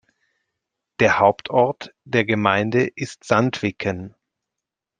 Der Hauptort der Gemeinde ist Sandviken.